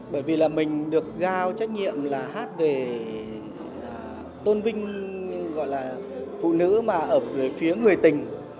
bởi vì là mình được giao trách nhiệm là hát về tôn vinh gọi là phụ nữ mà ở phía người tình